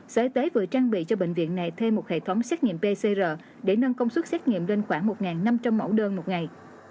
sở y tế vừa trang bị cho bệnh viện này thêm một hệ thống xét nghiệm pcr để nâng công suất xét nghiệm lên khoảng một năm trăm linh mẫu đơn một ngày